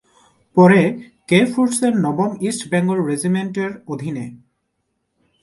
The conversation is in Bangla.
পরে ‘কে’ ফোর্সের নবম ইস্ট বেঙ্গল রেজিমেন্টের অধীনে।